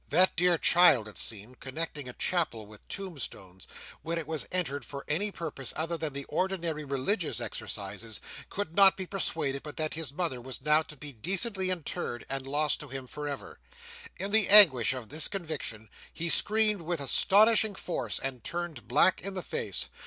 That dear child, it seemed, connecting a chapel with tombstones, when it was entered for any purpose apart from the ordinary religious exercises, could not be persuaded but that his mother was now to be decently interred, and lost to him for ever. In the anguish of this conviction, he screamed with astonishing force, and turned black in the face.